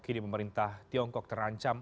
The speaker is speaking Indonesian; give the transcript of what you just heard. kini pemerintah tiongkok terancam